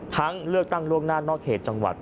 เลือกตั้งล่วงหน้านอกเขตจังหวัด